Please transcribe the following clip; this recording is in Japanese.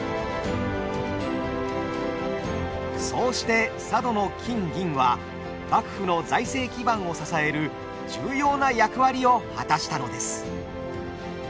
そうして佐渡の金銀は幕府の財政基盤を支える重要な役割を果たしたのです。